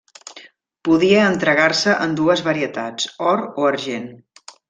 Podia entregar-se en dues varietats, or o argent.